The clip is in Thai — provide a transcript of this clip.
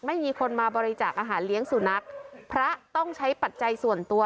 ไม่มีคนมาบริจาคอาหารเลี้ยงสุนัขพระต้องใช้ปัจจัยส่วนตัว